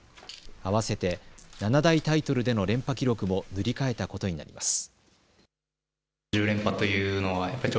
あわせて七大タイトルでの連覇記録も塗り替えたことになります。